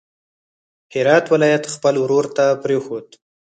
هرات ولایت خپل ورور ته پرېښود.